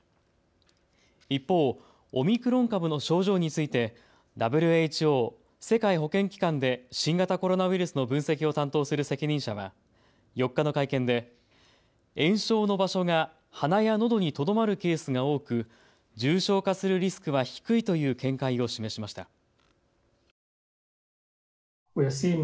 一方、オミクロン株の症状についてＷＨＯ・世界保健機関で新型コロナウイルスの分析を担当する責任者は４日の会見で炎症の場所が鼻やのどにとどまるケースが多く重症化するリスクは低いという見解を示しました。